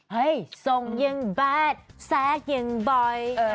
เฮ้ยทรงยังแบดแซกยังบ่อย